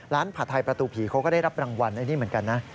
ผัดไทยประตูผีเขาก็ได้รับรางวัลอันนี้เหมือนกันนะ